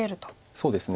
そうですね。